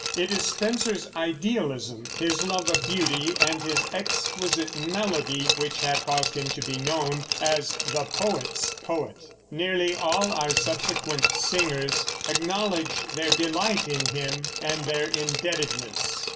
It is Spenser's idealism, his love of beauty, and his exquisite melody which have caused him to be known as "the poets' poet." Nearly all our subsequent singers acknowledge their delight in him and their indebtedness.